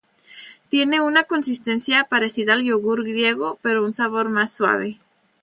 Tiene una consistencia parecida al yogur griego, pero un sabor más suave.